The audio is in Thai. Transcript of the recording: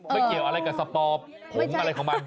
เกี่ยวอะไรกับสปอผงอะไรของมัน